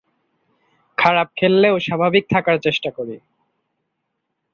খারাপ খেললেও স্বাভাবিক থাকার চেষ্টা করি।